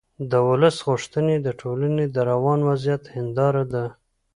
د ولس غوښتنې د ټولنې د روان وضعیت هنداره ده